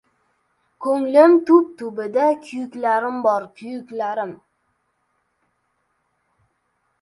Ko‘nglim tub-tubida kuyuklarim bor, kuyuklarim...